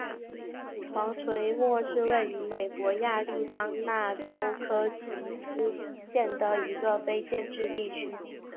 黄锤磨是位于美国亚利桑那州科奇斯县的一个非建制地区。